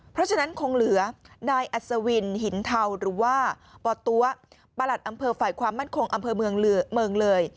เพราะฉะนั้นคงเหลือนายอัศวินหินเทาหรือว่าปตั๊วประหลัดอำเภอฝ่ายความมั่นคงอำเภอเมืองเลย